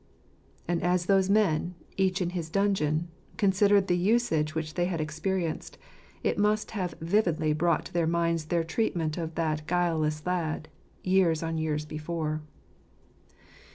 And as those men, each in his dungeon, considered the usage which they had experienced, it must have vividly brought to their minds their treatment of that guileless lad, years on years before.